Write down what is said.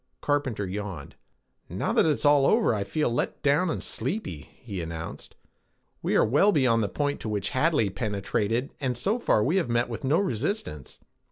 Carpenter yawned. "Now that it's all over, I feel let down and sleepy," he announced. "We are well beyond the point to which Hadley penetrated and so far we have met with no resistance.